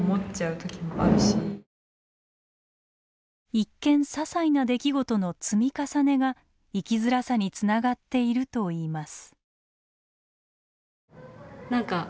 一見ささいな出来事の積み重ねが生きづらさにつながっているといいます。